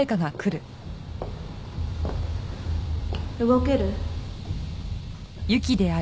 動ける？